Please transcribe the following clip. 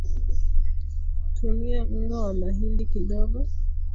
tumia unga wa mahindi kidogo